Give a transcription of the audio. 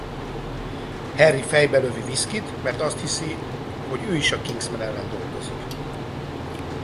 Harry fejbe lövi Whisky-t mert azt hiszi hogy ő is a Kingsman ellen dolgozik.